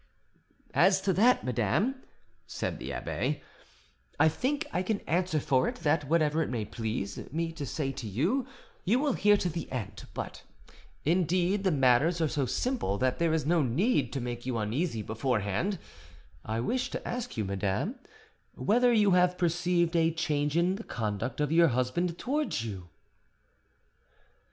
"As to that, madame," said the abbe, "I think I can answer for it that whatever it may please me to say to you, you will hear to the end; but indeed the matters are so simple that there is no need to make you uneasy beforehand: I wished to ask you, madame, whether you have perceived a change in the conduct of your husband towards you."